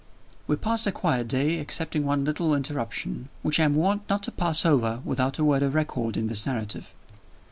We passed a quiet day, excepting one little interruption, which I am warned not to pass over without a word of record in this narrative.